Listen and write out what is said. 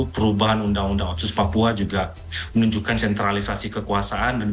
perubahan undang undang otsus papua juga menunjukkan sentralisasi kekuasaan